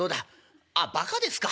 「あっバカですか。